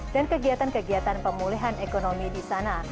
dan kegiatan kegiatan pemulihan ekonomi di sana